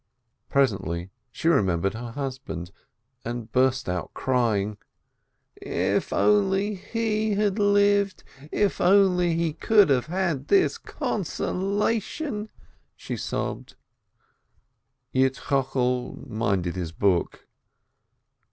Presently she remembered her husband, and burst out crying: "If only he had lived, if only he could have had this consolation !" she sobbed. Yitzchokel minded his book.